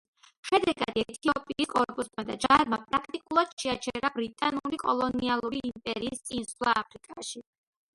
შედეგად ეთიოპიის კორპუსმა და ჯარმა პრაქტიკულად შეაჩერა ბრიტანული კოლონიალური იმპერიის წინსვლა აფრიკაში.